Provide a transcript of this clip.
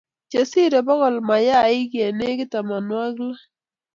Chesirei bogol, mayaik ye negit tamanwogik lo